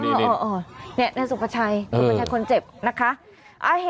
นี่นายสุภาชัยสุประชัยคนเจ็บนะคะ